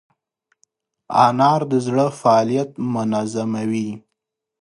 انار د زړه فعالیت منظموي.